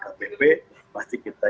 luar dari kpp pasti kita